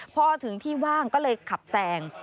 พอถึงที่ว่างก็เลยขับแซง